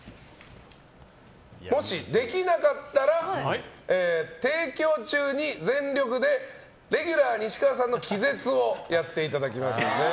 もし、できなかったら提供中に全力でレギュラー西川さんの気絶をやっていただきますので。